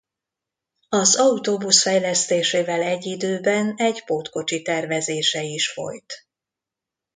Az autóbusz fejlesztésével egy időben egy pótkocsi tervezése is folyt.